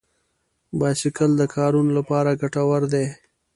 بایسکل د کارونو لپاره ګټور دی.